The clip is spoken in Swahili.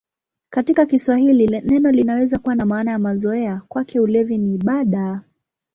Katika Kiswahili neno linaweza kuwa na maana ya mazoea: "Kwake ulevi ni ibada".